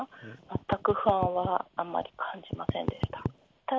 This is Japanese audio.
全く不安は、あんまり感じませんでした。